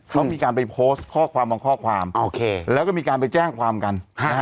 เขามีการไปโพสต์ข้อความบางข้อความโอเคแล้วก็มีการไปแจ้งความกัน